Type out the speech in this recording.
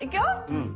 うん！